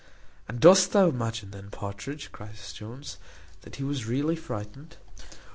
"And dost thou imagine, then, Partridge," cries Jones, "that he was really frightened?"